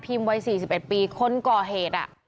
พาพิมไปสี่สิบเอ็ดปีคนก่อเหตุอะ